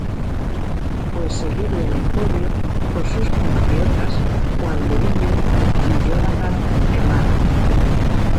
Fue seguido en el podio por sus compatriotas Juan Murillo y Jonathan Camargo.